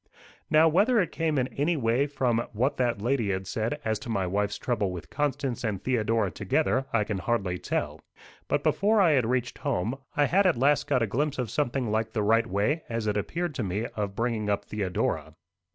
Now whether it came in any way from what that lady had said as to my wife's trouble with Constance and Theodora together, I can hardly tell; but, before I had reached home, I had at last got a glimpse of something like the right way, as it appeared to me, of bringing up Theodora.